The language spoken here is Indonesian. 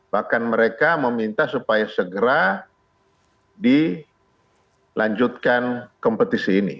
bahkan mereka meminta supaya segera dilanjutkan kompetisi ini